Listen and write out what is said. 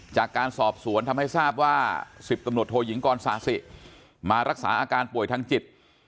จากการสอบสวนทำให้ทราบว่า๑๐ตำรวจโทยิงกรศาสิมารักษาอาการป่วยทางจิต